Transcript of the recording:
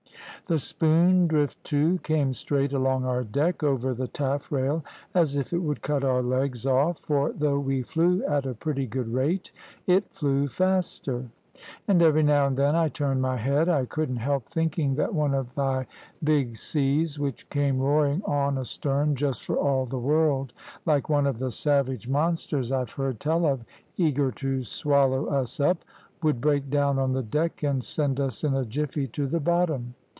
The spoondrift, too, came straight along our deck, over the taffrail, as if it would cut our legs off; for, though we flew at a pretty good rate, it flew faster. As every now and then I turned my head I couldn't help thinking that one of thy big seas which came roaring on astern just for all the world like one of the savage monsters I've heard tell of, eager to swallow us up, would break down on the deck, and send us in a jiffy to the bottom.